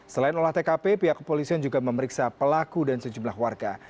selain olah tkp pihak kepolisian juga memeriksa pelaku dan sejumlah warga